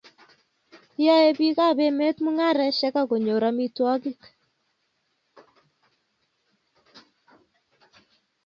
Yoei bik ab emet mungareseik akonyor amitwokik